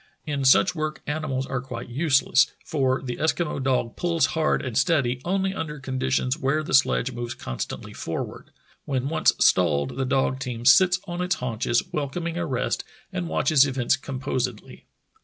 In such work animals are quite useless, for the Eskimo dog pulls hard and steady only under conditions where the sledge moves constantly forward. When once stalled the dog team sits on its haunches, welcoming a rest, and watches events composedly.